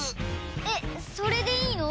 えっそれでいいの？